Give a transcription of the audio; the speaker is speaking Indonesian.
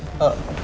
sebentar ya ibu